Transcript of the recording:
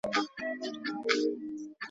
قدرت د ټولنیز وېش یو اصلي لامل دی.